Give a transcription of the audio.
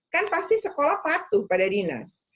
kan pasti sekolah patuh pada dinas